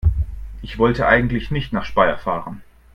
Ich wollte eigentlich nicht nach Speyer fahren